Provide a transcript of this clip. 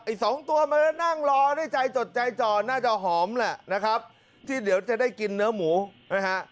สองตัวมันนั่งรอด้วยใจจดใจจ่อน่าจะหอมแหละนะครับที่เดี๋ยวจะได้กินเนื้อหมูนะฮะ